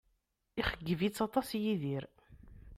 Ixeyyeb-itt aṭas Yidir